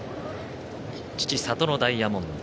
父・サトノダイヤモンド。